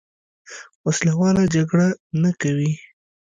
وسله واله جګړه نه کوي.